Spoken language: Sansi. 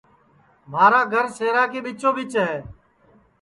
مھارا گھر شہرا کے ٻیچو ٻیچ ہے